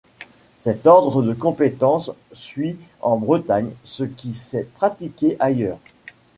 Cet ordre de compétence suit en Bretagne ce qui s'est pratiqué ailleurs.